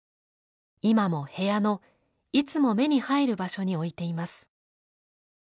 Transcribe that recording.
今も部屋のいつも目に入る場所に置いています。